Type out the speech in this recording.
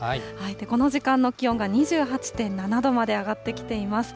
この時間の気温が２８．７度まで上がってきています。